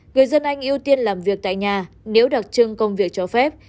người dân anh ưu tiên làm việc tại nhà nếu đặc trưng công việc cho phép